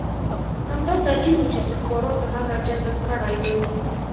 همدا دلیل و چې استخباراتو هغه جذب کړی و